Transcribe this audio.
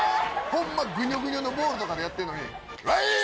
ぐにょぐにょのボールとかでやってるのに。